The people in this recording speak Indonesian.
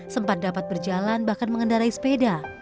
sempat dapat berjalan bahkan mengendarai sepeda